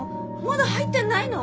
まだ入ってないの？